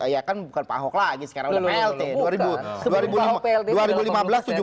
ya kan bukan pak ho lagi sekarang udah